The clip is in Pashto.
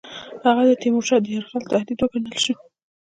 هغه د تیمورشاه د یرغل تهدید وګڼل شو.